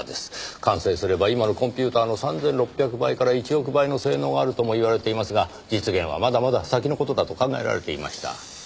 完成すれば今のコンピューターの３６００倍から１億倍の性能があるともいわれていますが実現はまだまだ先の事だと考えられていました。